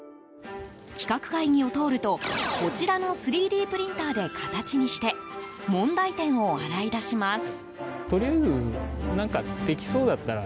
企画会議を通るとこちらの３Ｄプリンターで形にして問題点を洗い出します。